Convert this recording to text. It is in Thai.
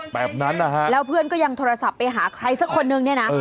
แบบนั้นนะฮะแล้วเพื่อนก็ยังโทรศัพท์ไปหาใครสักคนนึงเนี่ยนะ